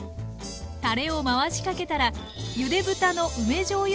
たれを回しかけたらゆで豚の梅じょうゆ